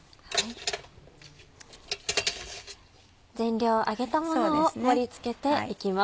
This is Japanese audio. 全量揚げたものを盛り付けて行きます。